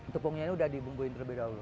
tepungnya ini udah dibungkuin terlebih dahulu